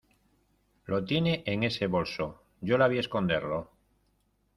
lo tiene en ese bolso, yo la vi esconderlo.